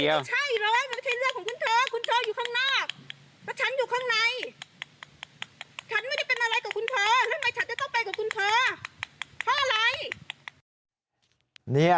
เพราะอะไร